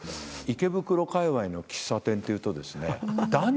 池袋かいわいの喫茶店というとですね。